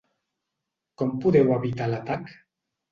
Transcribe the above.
Com podeu evitar l’atac?